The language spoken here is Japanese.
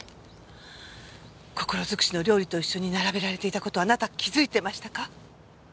心づくしの料理と一緒に並べられていた事をあなた気づいてましたか？